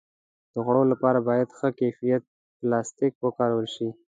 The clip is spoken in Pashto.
د خوړو لپاره باید ښه کیفیت پلاستيک وکارول شي.